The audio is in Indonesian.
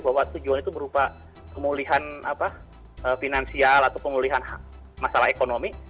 bahwa tujuan itu berupa pemulihan finansial atau pemulihan masalah ekonomi